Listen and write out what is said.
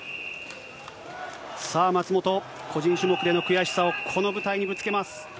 松元、個人種目での悔しさをこの舞台にぶつけます。